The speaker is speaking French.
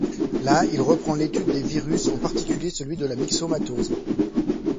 Là, il reprend l'étude des virus, en particulier celui de la myxomatose.